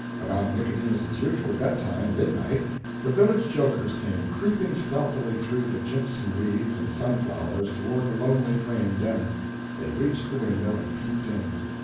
About Nicodemus's usual bedtime midnight the village jokers came creeping stealthily through the jimpson weeds and sunflowers toward the lonely frame den. They reached the window and peeped in.